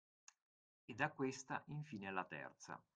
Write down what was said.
E da questa infine alla terza.